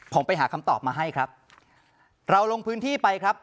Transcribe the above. ผมไปหาคำตอบมาให้ครับเราลงพื้นที่ไปครับ